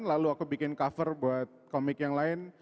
lalu aku bikin cover buat komik yang lain